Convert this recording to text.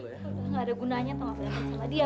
lu gak ada gunanya tau gak peduli sama dia